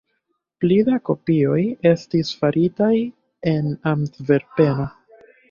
Pli da kopioj estis faritaj en Antverpeno.